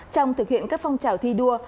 trong thực hiện các phong trào thi đua